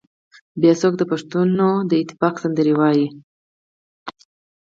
بيا څوک د پښتنو د اتفاق سندرې وايي